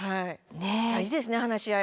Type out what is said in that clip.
大事ですね話し合い